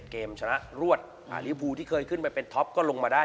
เกมชนะรวดลิวภูที่เคยขึ้นไปเป็นท็อปก็ลงมาได้